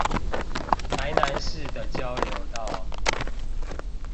台南市的交流道